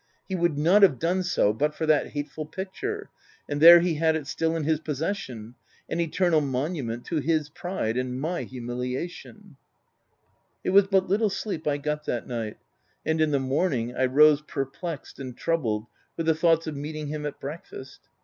He would not have done so but for that hateful picture ! And there he had it still in his possession, an eternal monument to his pride and my humiliation ! 330 THE TENANT It was but little sleep I got that night ; and in the morning I rose perplexed and troubled with the thoughts of meeting him at breakfast.